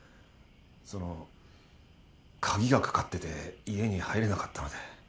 その鍵が掛かってて家に入れなかったので。